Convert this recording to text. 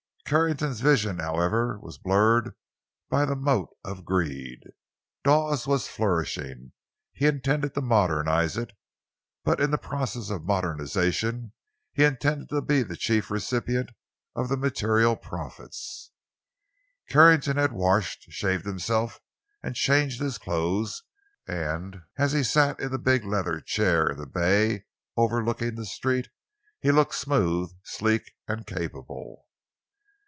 Carrington's vision, however, was blurred by the mote of greed. Dawes was flourishing; he intended to modernize it, but in the process of modernization he intended to be the chief recipient of the material profits. Carrington had washed, shaved himself, and changed his clothes; and as he sat in the big leather chair in the bay, overlooking the street, he looked smooth, sleek, and capable.